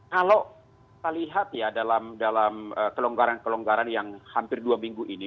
kalau kita lihat ya dalam kelonggaran kelonggaran yang hampir dua minggu ini